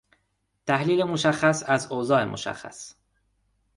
تحلیل مشخص از اوضاع مشخص